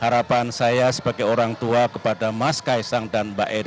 harapan saya sebagai orang tua kepada mas kaisang dan mbak erina